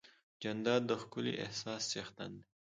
جانداد د ښکلي احساس څښتن دی.